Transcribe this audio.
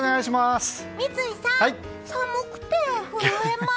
三井さん、寒くて震えます。